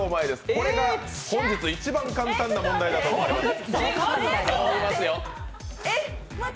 これが本日一番簡単な問題だと思われます。